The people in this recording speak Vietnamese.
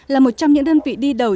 là một trong những đơn vị đi đầu